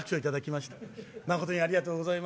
まことにありがとうございます。